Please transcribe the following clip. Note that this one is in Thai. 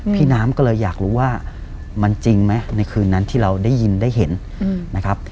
พี่น้ำก็เลยอยากรู้ว่ามันจริงไหมในคืนนั้นที่เราได้ยินได้เห็นนะครับ